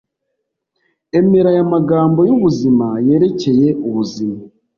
Emera aya magambo yubuzima yerekeye ubuzima